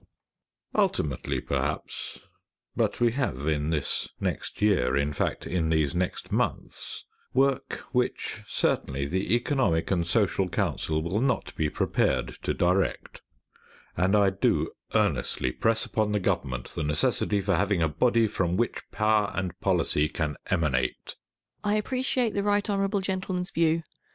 Salter Ultimately perhaps, but we have in this next year, in fact in these next months, work which certainly the Economic and Social Council will not be prepared to direct, and I do earnestly press upon the Government the necessity for having a body from which power and policy can emanate. § Miss Wilkinson I appreciate the right hon. Gentleman's view.